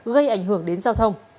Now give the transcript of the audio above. gây ảnh hưởng đến giao thông